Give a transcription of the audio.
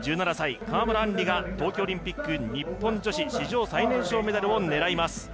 １７歳、川村あんりが冬季オリンピック日本女子史上最年少メダルを狙います。